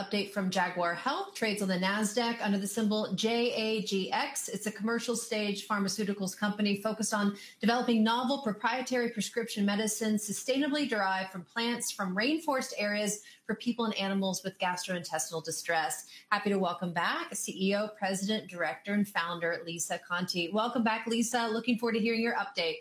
Update from Jaguar Health. Trades on the NASDAQ under the symbol JAGX. It's a commercial-stage pharmaceutical company focused on developing novel, proprietary prescription medicines sustainably derived from plants from rainforest areas for people and animals with gastrointestinal distress. Happy to welcome back CEO, President, Director, and Founder Lisa Conte. Welcome back, Lisa. Looking forward to hearing your update.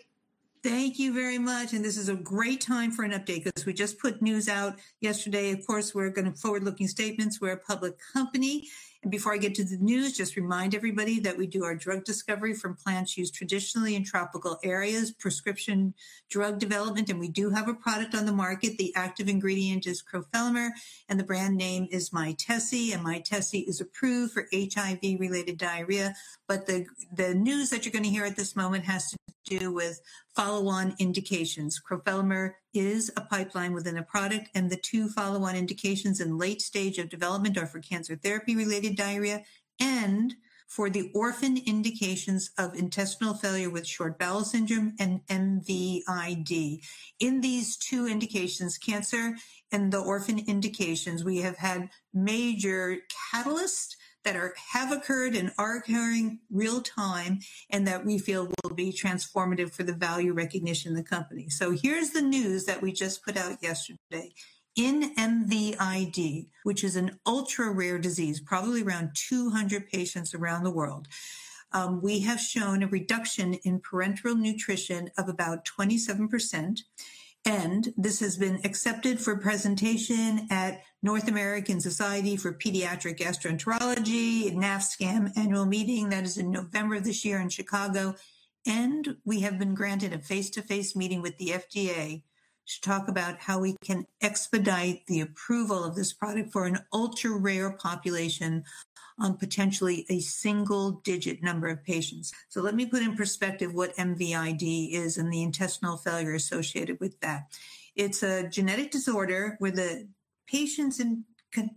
Thank you very much. This is a great time for an update because we just put news out yesterday. Of course, we're going to forward-looking statements. We're a public company. Before I get to the news, just remind everybody that we do our drug discovery from plants used traditionally in tropical areas, prescription drug development, and we do have a product on the market. The active ingredient is crofelemer, and the brand name is Mytesi, and Mytesi is approved for HIV-related diarrhea. The news that you're going to hear at this moment has to do with follow-on indications. Crofelemer is a pipeline within a product, and the two follow-on indications in late stage of development are for cancer therapy-related diarrhea and for the orphan indications of intestinal failure with short bowel syndrome and MVID. In these two indications, cancer and the orphan indications, we have had major catalysts that have occurred and are occurring real time and that we feel will be transformative for the value recognition of the company. Here's the news that we just put out yesterday. In MVID, which is an ultra-rare disease, probably around 200 patients around the world, we have shown a reduction in parenteral nutrition of about 27%. This has been accepted for presentation at North American Society for Pediatric Gastroenterology, NASPGHAN annual meeting that is in November this year in Chicago. We have been granted a face-to-face meeting with the FDA to talk about how we can expedite the approval of this product for an ultra-rare population on potentially a single-digit number of patients. Let me put in perspective what MVID is and the intestinal failure associated with that. It's a genetic disorder where the patient's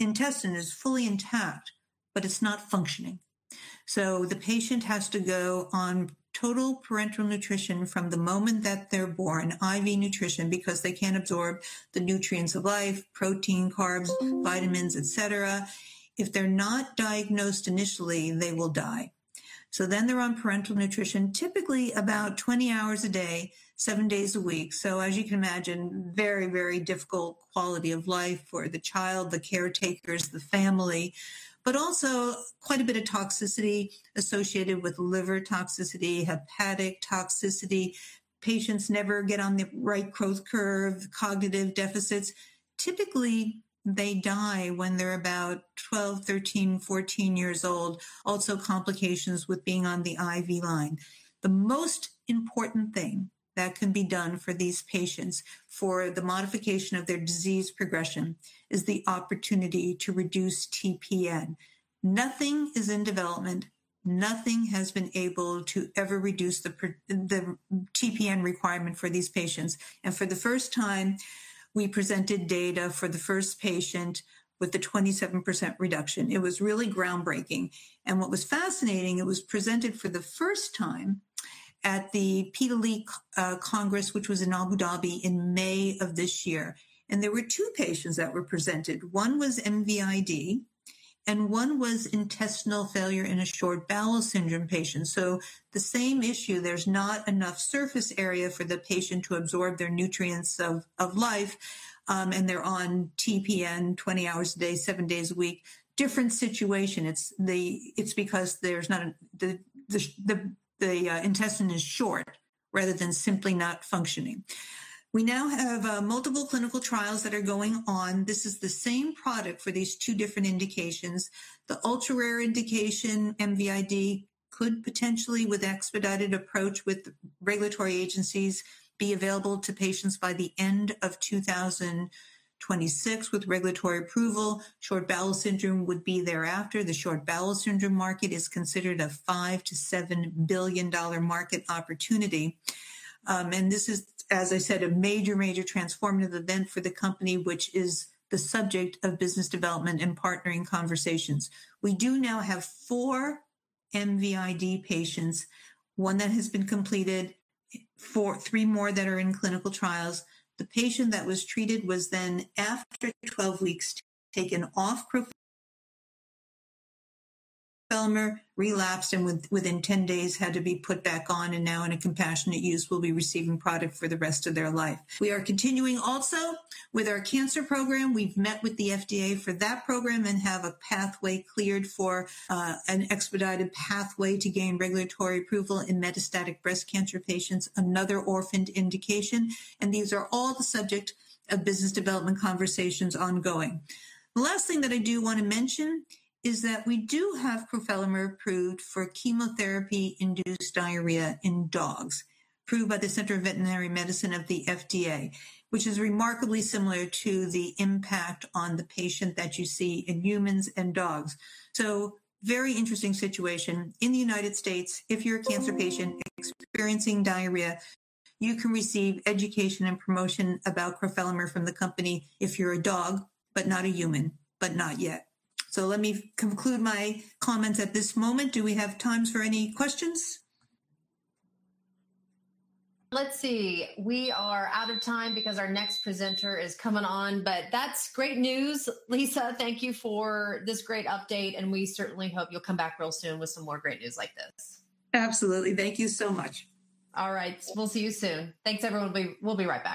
intestine is fully intact, but it's not functioning. The patient has to go on total parenteral nutrition from the moment that they're born, IV nutrition, because they can't absorb the nutrients of life, protein, carb, vitamins, et cetera. If they're not diagnosed initially, they will die. They're on parenteral nutrition typically about 20 hours a day, seven days a week. As you can imagine, very, very difficult quality of life for the child, the caretakers, the family, but also quite a bit of toxicity associated with liver toxicity, hepatic toxicity. Patients never get on the right growth curve, cognitive deficits. Typically, they die when they're about 12, 13, 14 years old. Also, complications with being on the IV line. The most important thing that can be done for these patients for the modification of their disease progression is the opportunity to reduce TPN. Nothing is in development. Nothing has been able to ever reduce the TPN requirement for these patients. For the first time, we presented data for the first patient with a 27% reduction. It was really groundbreaking. What was fascinating, it was presented for the first time at the PDLI Congress, which was in Abu Dhabi in May of this year. There were two patients that were presented. One was MVID, and one was intestinal failure in a short bowel syndrome patient. The same issue, there's not enough surface area for the patient to absorb their nutrients of life, and they're on TPN 20 hours a day, seven days a week. Different situation. It's because the intestine is short rather than simply not functioning. We now have multiple clinical trials that are going on. This is the same product for these two different indications. The ultra-rare indication, MVID, could potentially, with an expedited approach with regulatory agencies, be available to patients by the end of 2026 with regulatory approval. Short bowel syndrome would be thereafter. The short bowel syndrome market is considered a $5 billion-$7 billion market opportunity. This is, as I said, a major, major transformative event for the company, which is the subject of business development and partnering conversations. We do now have four MVID patients, one that has been completed, three more that are in clinical trials. The patient that was treated was then, after 12 weeks, taken off crofelemer, relapsed, and within 10 days had to be put back on and now in a compassionate use, will be receiving product for the rest of their life. We are continuing also with our cancer program. We've met with the FDA for that program and have a pathway cleared for an expedited pathway to gain regulatory approval in metastatic breast cancer patients, another orphan indication. These are all the subject of business development conversations ongoing. The last thing that I do want to mention is that we do have crofelemer approved for chemotherapy-induced diarrhea in dogs, approved by the Center for Veterinary Medicine and the FDA, which is remarkably similar to the impact on the patient that you see in humans and dogs. Very interesting situation. In the United States, if you're a cancer patient experiencing diarrhea, you can receive education and promotion about crofelemer from the company if you're a dog, but not a human, but not yet. Let me conclude my comments at this moment. Do we have time for any questions? Let's see. We are out of time because our next presenter is coming on. That's great news. Lisa, thank you for this great update. We certainly hope you'll come back real soon with some more great news like this. Absolutely. Thank you so much. All right. We'll see you soon. Thanks, everyone. We'll be right back.